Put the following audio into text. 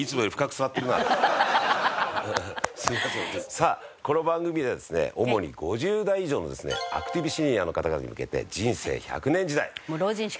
さあこの番組ではですね主に５０代以上のですねアクティブシニアの方々に向けて人生１００年時代